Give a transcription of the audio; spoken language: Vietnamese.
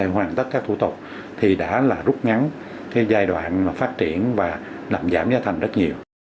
hoàn tất các thủ tục thì đã là rút ngắn cái giai đoạn mà phát triển và làm giảm giá thành rất nhiều